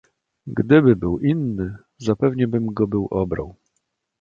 "Gdyby był inny zapewnie bym go był obrał."